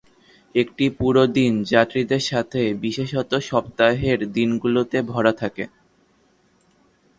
এটি পুরো দিন যাত্রীদের সাথে বিশেষত সপ্তাহের দিনগুলিতে ভরা থাকে।